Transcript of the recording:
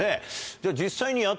じゃあ実際に。